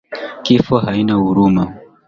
Kifo hakina huruma